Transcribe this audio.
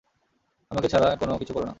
আমাকে ছাড়া কোনো কিছু কোরো না।